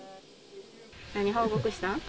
何報告した？